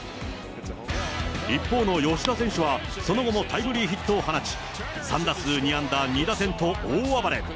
一方の吉田選手は、その後もタイムリーヒットを放ち、３打数２安打２打点と大暴れ。